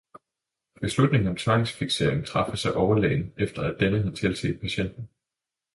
Beslutning om tvangsfiksering træffes af overlægen, efter at denne har tilset patienten.